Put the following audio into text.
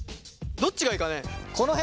どっちがいいかね？